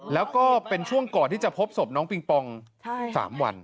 แล้วก็เป็นช่วงก่อนที่จะพบศพน้องปิงปอง๓วัน